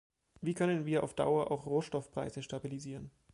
Wie können wir auf Dauer auch Rohstoffpreise stabilisieren?